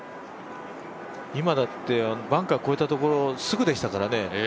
今だってバンカー越えたところすぐでしたからね。